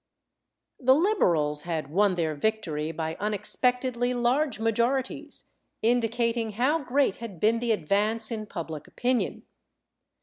The Liberals had won their victory by unexpectedly large majorities, indicating how great had been the advance in public opinion.